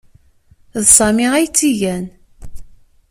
D Sami ay tt-igan.